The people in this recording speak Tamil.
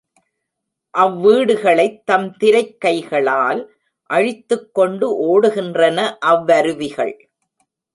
அவ் வீடுகளைத் தம் திரைக் கைகளால் அழித்துக்கொண்டு ஓடுகின்றன அவ் வருவிகள்.